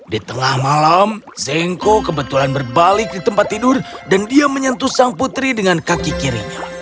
di tengah malam zengko kebetulan berbalik di tempat tidur dan dia menyentuh sang putri dengan kaki kirinya